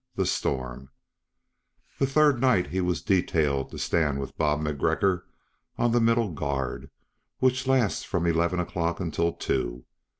THE STORM The third night he was detailed to stand with Bob MacGregor on the middle guard, which lasts from eleven o'clock until two.